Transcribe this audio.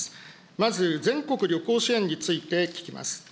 まず、全国旅行支援について聞きます。